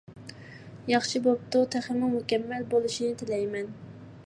ياخشى بوپتۇ، تېخىمۇ مۇكەممەل بولۇشىنى تىلەيمەن!